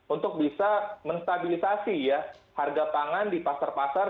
untuk bisa menstabilisasi ya harga pangan di pasar pasar